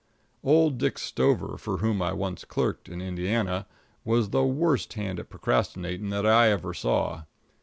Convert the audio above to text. Old Dick Stover, for whom I once clerked in Indiana, was the worst hand at procrastinating that I ever saw.